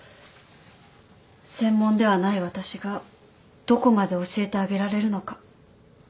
専門ではない私がどこまで教えてあげられるのか。